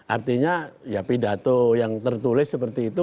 artinya ya pidato yang tertulis seperti itu